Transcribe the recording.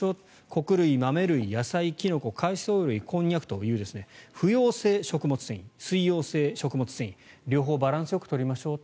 穀類、豆類、野菜、キノコ海藻類、コンニャクという不溶性食物繊維水溶性食物繊維両方バランスよく取りましょう。